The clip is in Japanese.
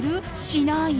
しない？